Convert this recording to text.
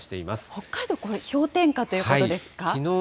北海道、これ、氷点下ということですか。